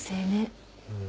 うん。